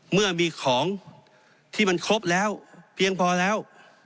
เมื่อมีของที่มันครบแล้วเพียงพอแล้ว